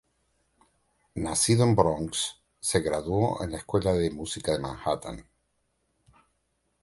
Nacido en Bronx, se graduó de la Escuela de Música de Manhattan.